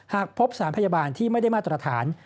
หากพบสารพยาบาลที่ไม่ได้มาตรฐาน